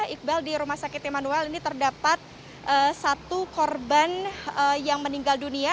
iqbal di rumah sakit immanuel ini terdapat satu korban yang meninggal dunia